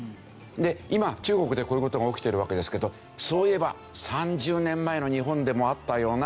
今中国でこういう事が起きてるわけですけどそういえば３０年前の日本でもあったようなという。